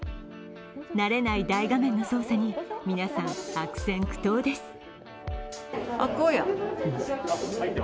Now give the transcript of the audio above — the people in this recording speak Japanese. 慣れない大画面の操作に皆さん悪戦苦闘です。